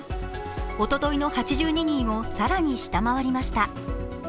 おとといの８２人を更に下回りました。